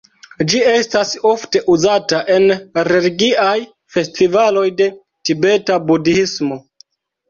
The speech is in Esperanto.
Ĝi estas ofte uzata en religiaj festivaloj de Tibeta budhismo.